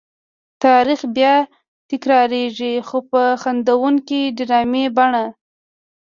تاریخ بیا تکرارېږي خو په خندوونکې ډرامې بڼه.